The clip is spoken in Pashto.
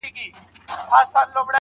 ځوان د تکي زرغونې وني نه لاندي.